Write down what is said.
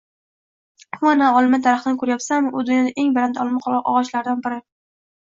– Huv anavi olma daraxtini ko‘rayapsanmi? U dunyodagi eng baland olma og‘ochlaridan biri